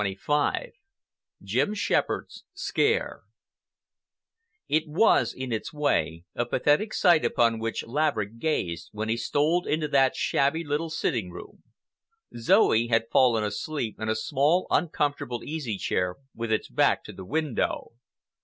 CHAPTER XXV JIM SHEPHERD'S SCARE It was, in its way, a pathetic sight upon which Laverick gazed when he stole into that shabby little sitting room. Zoe had fallen asleep in a small, uncomfortable easy chair with its back to the window.